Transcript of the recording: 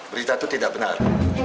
berita itu tidak benar